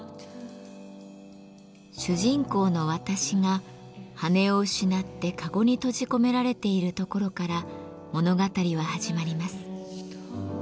主人公の私が羽を失って籠に閉じ込められているところから物語は始まります。